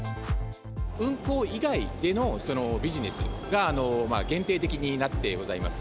運行以外でのビジネスがまだ限定的になってございます。